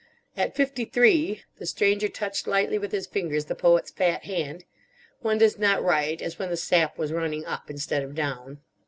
At fifty three"—the Stranger touched lightly with his fingers the Poet's fat hand—"one does not write as when the sap was running up, instead of down."